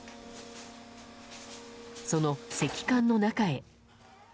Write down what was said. その石棺の中へ。